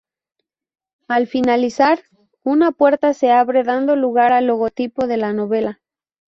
Al finalizar, una puerta se abre dando lugar al logotipo de la novela.